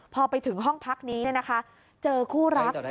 พอไปถึงห้องพักนี้เจอคู่รัก